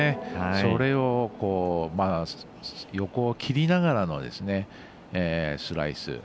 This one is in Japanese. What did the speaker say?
それを横を切りながらのスライス。